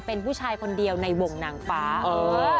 เป็นผู้ชายคนเดียวในวงนางฟ้า